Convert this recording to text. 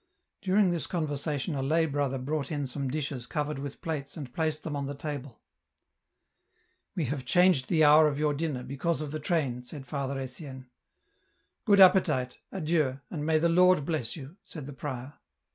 During this conversation a lay brother brought in some dishes covered with plates and placed thfc,"n on the table. " We have changed the hour of your di.'xner, because of the train," said Father Etienne. " Good appetite, adieu, and may the Lora bless you," said the prior.